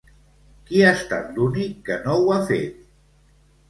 Qui ha estat l'únic que no ho ha fet?